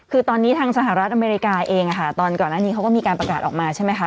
คือตอนนี้ทางสหรัฐอเมริกาเองตอนก่อนหน้านี้เขาก็มีการประกาศออกมาใช่ไหมคะ